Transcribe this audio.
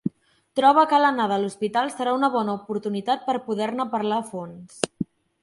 Troba que l'anada a l'hospital serà una bona oportunitat per poder-ne parlar a fons.